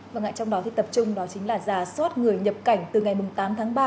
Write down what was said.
và ngại trong đó thì tập trung đó chính là giả soát người nhập cảnh từ ngày tám tháng ba